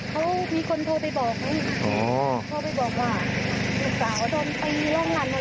ถ้าเขาลงบ้านลงบ้านก็ต้องเอาเรื่องแหละใครเป็นคนทำ